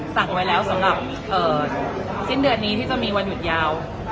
สั่งไว้แล้วสำหรับสิ้นเดือนนี้ที่จะมีวันหยุดยาว